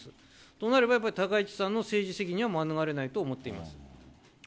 となれば、やっぱり高市さんの政治責任は免れないと思っています。